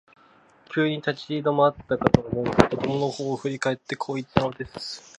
急に立ち止まったかと思うと、子供のほうを振り返って、こう言ったのです。